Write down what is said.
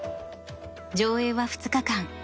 上映は２日間。